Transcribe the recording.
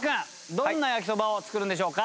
どんな焼きそばを作るんでしょうか？